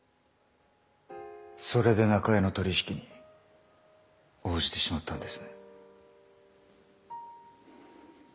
それで中江の取り引きに応じてしまったんですね？